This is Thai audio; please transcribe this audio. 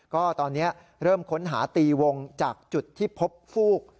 ก็ตอนนี้เริ่มค้นหาตีวงจากจุดที่พบฟูก